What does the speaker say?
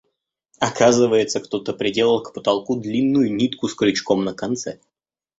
Оказывается, кто-то приделал к потолку длинную нитку с крючком на конце.